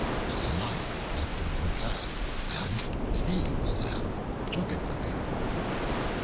A Lion met him in the path, and seizing the lamb, took it from him.